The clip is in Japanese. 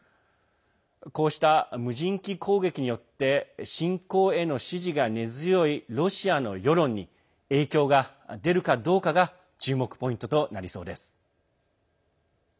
こうした無人機攻撃によって侵攻への支持が根強いロシアの世論に影響が出るかどうかが注目ポイントとなりそうです。